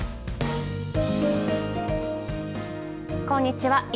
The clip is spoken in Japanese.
こんにちは。